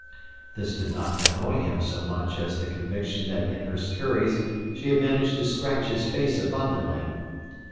This did not annoy him so much as the conviction that in her scurries she had managed to scratch his face abundantly.